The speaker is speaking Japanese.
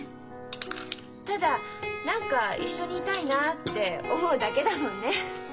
ただ何か一緒にいたいなあって思うだけだもんね。